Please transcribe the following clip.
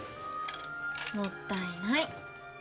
もったいない。